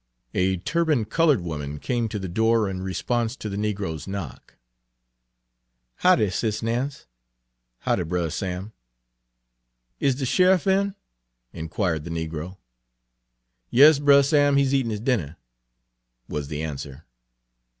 A turbaned colored woman came to the door in response to the negro's knock. "Hoddy, Sis' Nance." "Hoddy, Brer Sam." "Is de shurff in," inquired the negro. "Yas, Brer Sam, he's eatin' his dinner," was the answer.